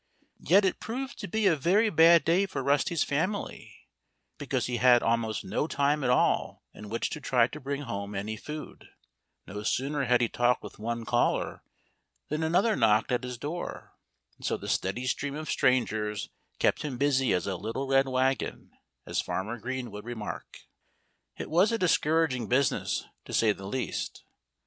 Yet it proved to be a very bad day for Rusty's family, because he had almost no time at all in which to try to bring home any food. No sooner had he talked with one caller than another knocked at his door. And so the steady stream of strangers kept him busy as a little red wagon, as Farmer Green would remark. It was a discouraging business, to say the least.